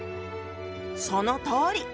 そのとおり！